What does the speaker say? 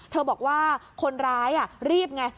เธอบอกว่าคนร้ายอ่ะรีบไง